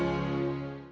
dede akan ngelupain